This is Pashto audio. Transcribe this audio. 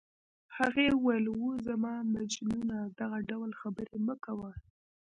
هغې وویل: اوه، زما مجنونه دغه ډول خبرې مه کوه.